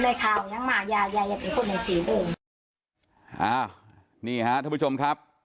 อ่านี่ฮะทุกผู้ชมครับ